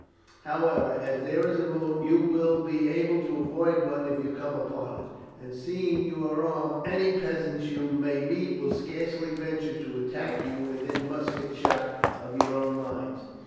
However, as there is a moon, you will be able to avoid one if you come upon it; and seeing you are armed, any peasants you may meet will scarcely venture to attack you within musket shot of your own lines.